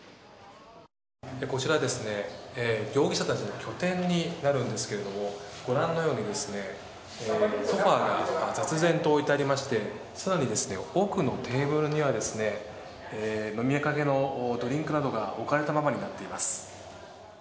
こちら、容疑者たちの拠点になるんですけれどもご覧のようにソファが雑然と置いてありまして更に、奥のテーブルには飲みかけのドリンクなどが置かれたままになっています。